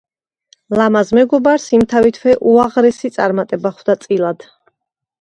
ლამაზ მეგობარს იმთავითვე უაღრესი წარმატება ხვდა წილად.